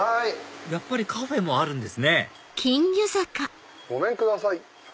やっぱりカフェもあるんですねごめんください。